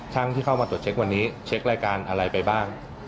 ช่างที่เข้ามาตรวจเช็ควันนี้เช็ครายการอะไรไปบ้าง